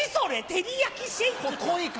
照り焼きシェイクって。